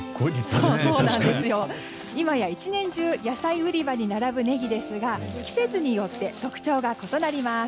いまや１年中野菜売り場に並ぶネギですが季節によって特徴が異なります。